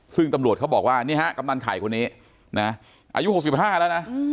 ซึ่งตำรวจเขาบอกว่านี่ฮะกำนันไข่คนนี้นะอายุ๖๕แล้วนะ